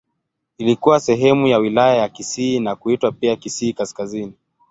Ilikuwa sehemu ya Wilaya ya Kisii na kuitwa pia Kisii Kaskazini.